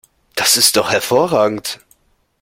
Das ist doch hervorragend!